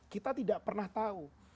kita tidak pernah tahu